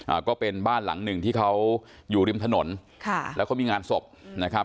อ่าก็เป็นบ้านหลังหนึ่งที่เขาอยู่ริมถนนค่ะแล้วเขามีงานศพนะครับ